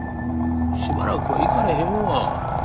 しばらくは行かれへんわ。